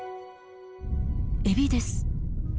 エビです。